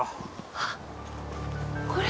あっこれ？